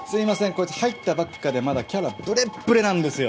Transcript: こいつ入ったばっかでまだキャラブレッブレなんですよ。